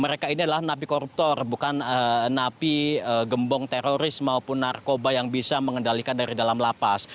mereka ini adalah napi koruptor bukan napi gembong teroris maupun narkoba yang bisa mengendalikan dari dalam lapas